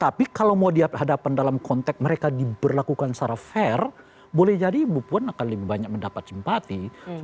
tapi kalau mau dihadapkan dalam konteks mereka diberlakukan secara fair boleh jadi ibu puan akan lebih banyak mendapat simpati